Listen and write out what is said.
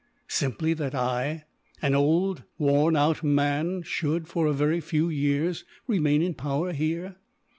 Simply that I, an old and worn out man should, for a very few years, remain in power here.